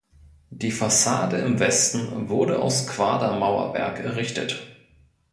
Die Fassade im Westen wurde aus Quadermauerwerk errichtet.